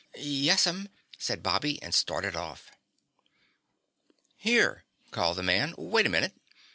"Yes'm," said Bobby and started off. "Here," called the man, "Wait a minute.